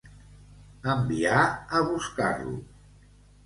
Enviar a buscar-lo.